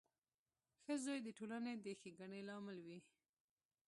• ښه زوی د ټولنې د ښېګڼې لامل وي.